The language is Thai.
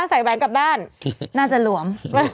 ใส่แบงก์กลับบ้านน่าจะหลวม